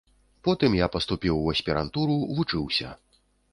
Потым я паступіў у аспірантуру, вучыўся.